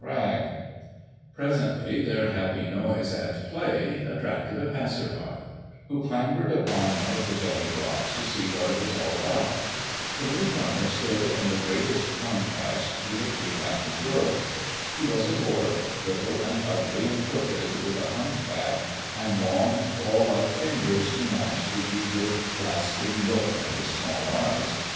[Illustration: The Rhine Daughters H. Hendrich By permission of F. Bruckmann, Munich] Presently their happy noise at play attracted a passer by, who clambered upon one of the jutting rocks to see what it was all about. The new comer stood in the greatest contrast to the three laughing girls. He was a dwarf, little and ugly and crooked, with a humped back and long, claw like fingers to match the eager, grasping look in his small eyes.